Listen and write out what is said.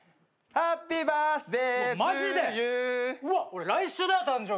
「ハッピー・バースディ」